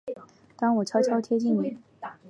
当我悄悄贴近你